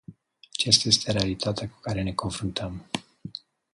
Aceasta este realitatea cu care ne confruntăm.